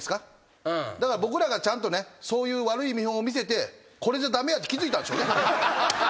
だから僕らがちゃんとねそういう悪い見本を見せてこれじゃ駄目やって気付いたんでしょうね。